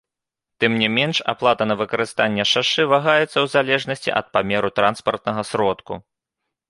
Тым не менш, аплата на выкарыстанне шашы вагаецца ў залежнасці ад памеру транспартнага сродку.